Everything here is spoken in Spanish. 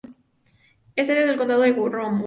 Es sede del condado de Rowan.